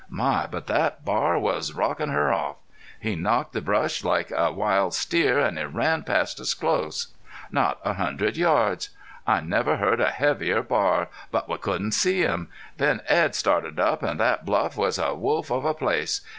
My, but thet bar was rockin' her off. He knocked the brush like a wild steer, an' he ran past us close not a hundred yards. I never heard a heavier bar. But we couldn't see him. Then Edd started up, an' thet bluff was a wolf of a place.